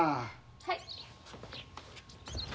はい。